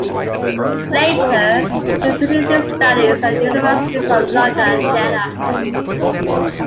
Later, he continued his studies at the Universities of London and Jena.